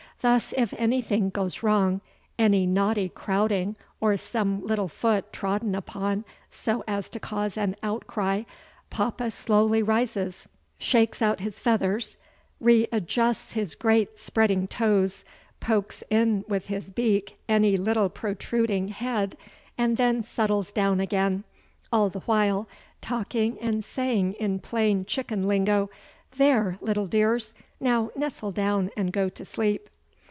Thus, if anything goes wrong, any naughty crowding or some little foot trodden upon so as to cause an outcry, Papa slowly rises, shakes out his feathers, readjusts his great spreading toes, pokes in with his beak any little protruding head and then settles down again, all the while talking and saying in plain chicken lingo, "There, little dears, now nestle down and go to sleep."